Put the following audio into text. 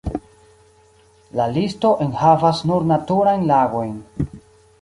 La listo enhavas nur naturajn lagojn.